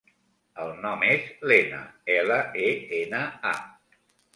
El nom és Lena: ela, e, ena, a.